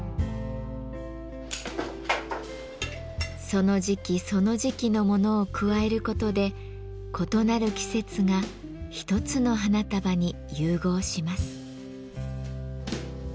その時期その時期のものを加えることで異なる季節が一つの花束に融合します。